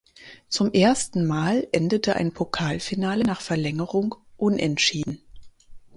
Zum ersten Mal endete ein Pokalfinale nach Verlängerung unentschieden.